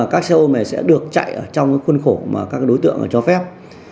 các xe ôm này sẽ được chạy ở trong khuôn khổ mà các đối tượng cho phép